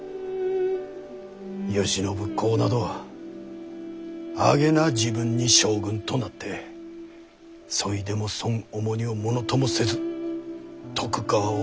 慶喜公などあげな時分に将軍となってそいでもそん重荷をものともせず徳川を立て直した。